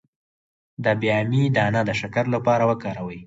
د بامیې دانه د شکر لپاره وکاروئ